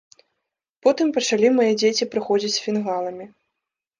Потым пачалі мае дзеці прыходзіць з фінгаламі.